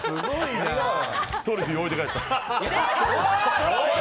トロフィー、置いて帰った！